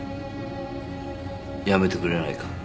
やめてくれないか？